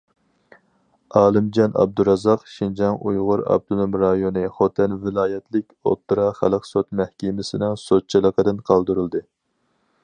ئالىمجان ئابدۇرازاق شىنجاڭ ئۇيغۇر ئاپتونوم رايونى خوتەن ۋىلايەتلىك ئوتتۇرا خەلق سوت مەھكىمىسىنىڭ سوتچىلىقىدىن قالدۇرۇلدى.